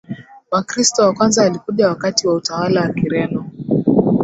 Wakristo wa kwanza walikuja wakati wa utawala wa Kireno